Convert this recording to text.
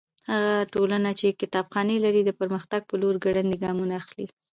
هغه ټولنه چې کتابخانې لري د پرمختګ په لور ګړندي ګامونه اخلي.